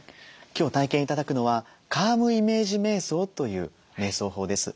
今日体験頂くのはカームイメージめい想というめい想法です。